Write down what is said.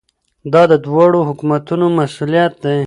دا د دواړو حکومتونو مسؤلیت دی.